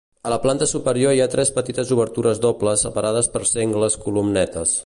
A la planta superior hi ha tres petites obertures dobles separades per sengles columnetes.